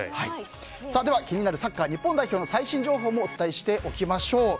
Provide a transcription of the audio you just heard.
では、気になるサッカー日本代表の最新情報もお伝えしておきましょう。